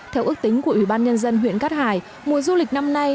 theo ước tính của ủy ban nhân dân huyện cát hải mùa du lịch năm nay